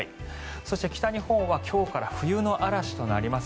そして北日本は今日から冬の嵐となります。